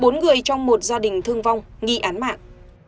bốn người trong một gia đình thương vong nghi án mạng